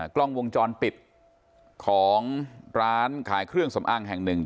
กล้องวงจรปิดของร้านขายเครื่องสำอางแห่งหนึ่ง